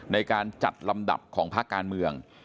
ในการจัดลำดับของภาคการเมือง